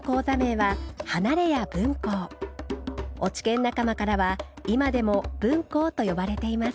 落研仲間からは今でも文好と呼ばれています。